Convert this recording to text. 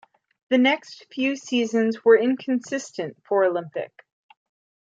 The next few seasons were inconsistent for Olympic.